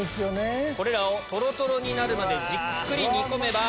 これらをとろとろになるまでじっくり煮込めば。